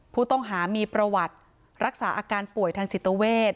ผู้ต้องหามีประวัติรักษาอาการป่วยทางจิตเวท